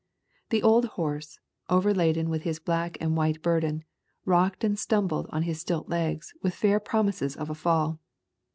The old horse, overladen with his black and white bur den, rocked and stumbled on his stilt legs with fair promises of a fall.